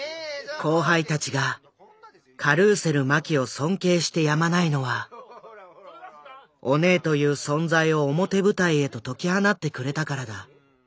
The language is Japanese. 後輩たちがカルーセル麻紀を尊敬してやまないのはオネエという存在を表舞台へと解き放ってくれたからだ。